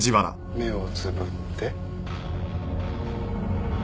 目をつぶって。